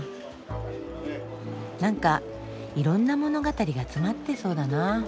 なんかいろんな物語が詰まってそうだな